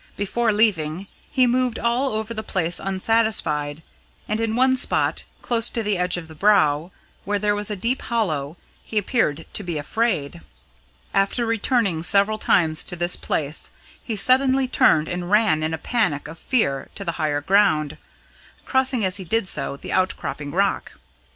Before leaving, he moved all over the place unsatisfied, and in one spot, close to the edge of the Brow, where there was a deep hollow, he appeared to be afraid. After returning several times to this place, he suddenly turned and ran in a panic of fear to the higher ground, crossing as he did so the outcropping rock.